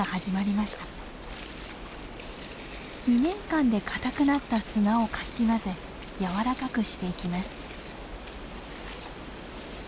２年間で固くなった砂をかき混ぜ柔らかくしていきます。